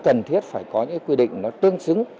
cần thiết phải có những quy định nó tương xứng